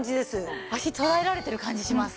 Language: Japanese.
足捉えられてる感じします。